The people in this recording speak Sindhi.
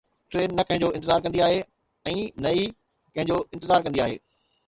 ٽرين نه ڪنهن جو انتظار ڪندي آهي ۽ نه ئي ڪنهن جو انتظار ڪندي آهي